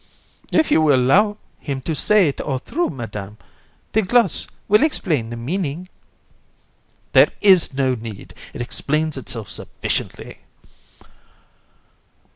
BOB. If you will allow him to say it all through, Madam, the gloss will explain the meaning. COUN. There is no need; it explains itself sufficiently.